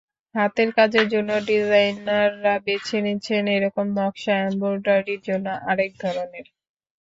হাতের কাজের জন্য ডিজাইনাররা বেছে নিচ্ছেন একরকম নকশা, এমব্রয়ডারির জন্য আরেক ধরনের।